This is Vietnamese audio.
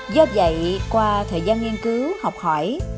do vậy qua thời gian nghiên cứu học hỏi